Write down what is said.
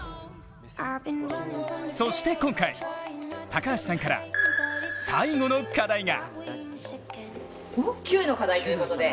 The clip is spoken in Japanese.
そして今回、高橋さんから最後の課題が。